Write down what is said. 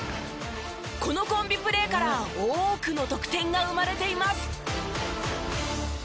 このコンビプレーから多くの得点が生まれています。